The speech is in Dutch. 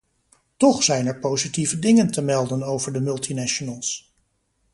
Toch zijn er positieve dingen te melden over de multinationals.